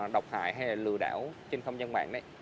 độc hại hay là lừa đảo trên không gian mạng